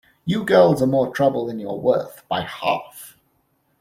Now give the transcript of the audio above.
You girls are more trouble than you're worth, by half.